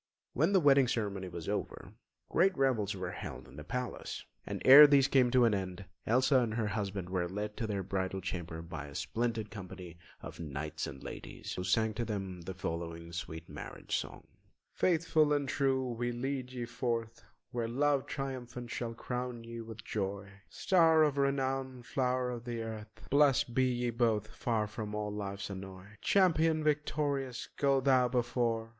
When the wedding ceremony was over, great revels were held in the palace; and ere these came to an end, Elsa and her husband were led to their bridal chamber by a splendid company of knights and ladies, who sang to them the following sweet marriage song: "Faithful and true we lead ye forth, Where love triumphant shall crown ye with joy! Star of renown, flow'r of the earth, Blest be ye both, far from all life's annoy. Champion victorious, go thou before!